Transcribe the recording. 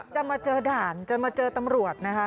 จะมาเจอด่านจะมาเจอตำรวจนะคะ